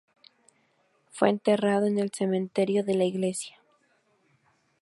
Fue enterrado en el cementerio de la iglesia.